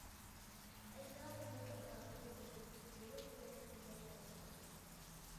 ئەجدادىمنىڭ مىراسى نورۇز، نورۇز بىلەن كۈلگەن ئەجدادىم.